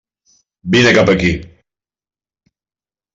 Vine cap aquí!